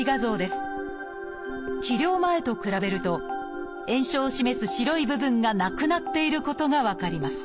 治療前と比べると炎症を示す白い部分がなくなっていることが分かります